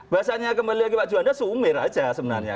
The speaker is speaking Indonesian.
bahasanya kembali lagi pak juanda sumir aja sebenarnya